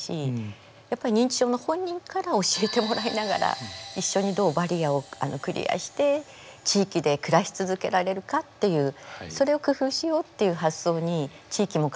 やっぱり認知症の本人から教えてもらいながら一緒にどうバリアをクリアして地域で暮らし続けられるかっていうそれを工夫しようっていう発想に地域も変わっていくと。